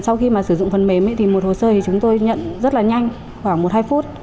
sau khi mà sử dụng phần mềm thì một hồ sơ thì chúng tôi nhận rất là nhanh khoảng một hai phút